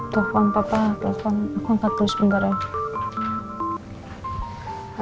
telepon papa aku angkat terus sebentar aja